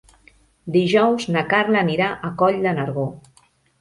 Dijous na Carla anirà a Coll de Nargó.